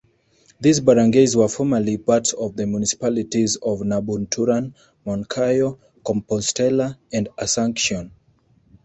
These barangays were formerly parts of the municipalities of Nabunturan, Monkayo, Compostela and Asuncion.